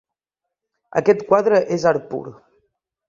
Aquest quadre és art pur.